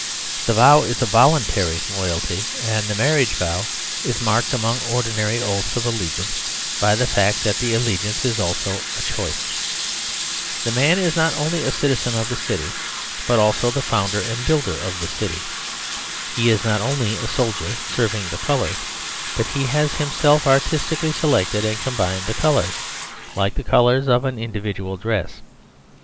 The vow is a voluntary loyalty; and the marriage vow is marked among ordinary oaths of allegiance by the fact that the allegiance is also a choice. The man is not only a citizen of the city, but also * Written at the time of the last great German assaults. 28 The Superstition of Divorce the founder and builder of the city. He is not only a soldier serving the colours, but he has himself artistically selected and combined the colours, like the colours of an individual dress.